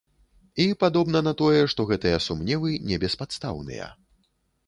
І, падобна на тое, што гэтыя сумневы небеспадстаўныя.